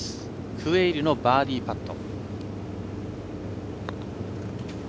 クウェイルのバーディーパット。